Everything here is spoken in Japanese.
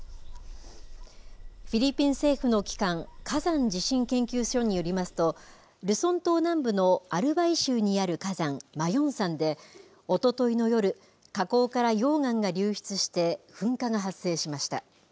フィリピン政府の機関、火山地震研究所によりますと、ルソン島南部のアルバイ州にある火山、マヨン山で、おとといの夜、火口から溶岩が流出して噴火が発生しました。